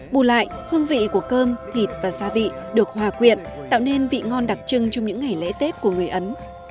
bù lại hương vị của cơm thịt và gia vị được hòa quyện tạo nên vị ngon đặc trưng trong những ngày lễ tết của người ấn